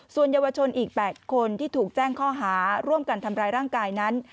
ส่วนเยาวชนอีก๘คนที่ถูกแจ้งข้อหาร่วมกันทำร้ายร่างกายนั้น